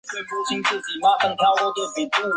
现已退隐歌坛。